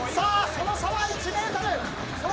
その差は１ｍ！